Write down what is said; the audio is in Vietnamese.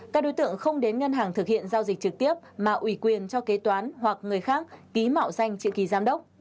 các đối tượng không đến ngân hàng thực hiện giao dịch trực tiếp mà ủy quyền cho kế toán hoặc người khác ký mạo danh trị giám đốc